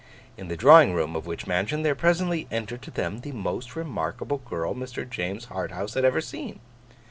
In the drawing room of which mansion, there presently entered to them the most remarkable girl Mr. James Harthouse had ever seen.